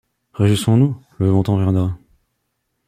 Réjouissons-nous, le bon temps reviendra !